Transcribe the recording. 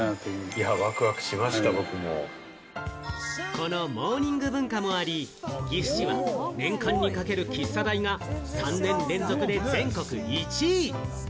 このモーニング文化もあり、岐阜市は年間にかける喫茶代が３年連続で全国１位。